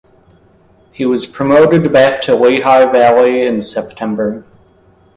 He was promoted back to Lehigh Valley in September.